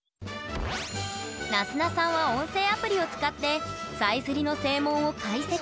なづなさんは音声アプリを使ってさえずりの声紋を解析。